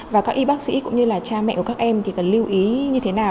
và các y bác sĩ cũng như là cha mẹ của các em thì cần lưu ý như thế nào